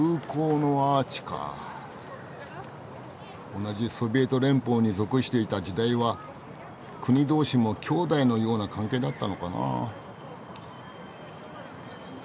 同じソビエト連邦に属していた時代は国同士も兄弟のような関係だったのかな。